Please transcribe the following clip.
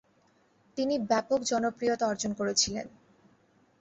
তিনি ব্যাপক জনপ্রিয়তা অর্জন করেছিলেন।